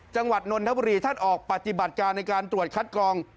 นนทบุรีท่านออกปฏิบัติการในการตรวจคัดกรอง